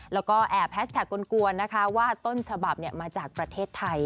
แล้วก็แอบแฮชแท็กกวนนะคะว่าต้นฉบับมาจากประเทศไทย